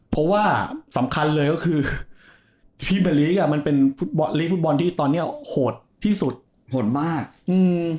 เพราะว่าสำคัญเลยก็คือมันเป็นฟุตบอลที่ตอนเนี้ยโหดที่สุดโหดมากอืม